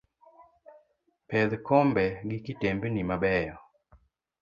Pedh kombe gi kitembni mabeyo.